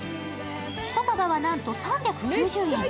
１束はなんと３９０円。